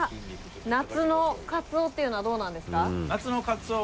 夏のカツオっていうのはどうなんですか？